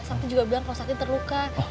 sakti juga bilang kalau sakti terluka